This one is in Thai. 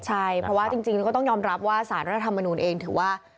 ใช่เพราะว่าจริงก็ต้องยอมรับว่าสารรัฐธรรมนูลเองถือว่า